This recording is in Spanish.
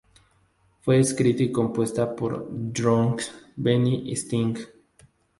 Fue escrita y compuesta por Björn, Benny y Stig.